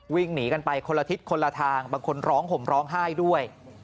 วิ่งหนีกันไปคนละทิศคนละทางบางคนร้องห่มร้องไห้ด้วย